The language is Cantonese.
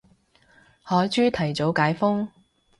海珠提早解封